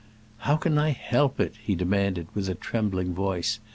"How can I help it?" he demanded with a trembling voice.